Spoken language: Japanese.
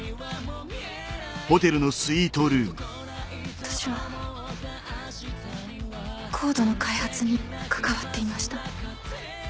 私はＣＯＤＥの開発に関わっていました。